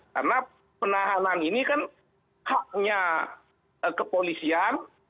karena penahanan ini kan haknya kepolisian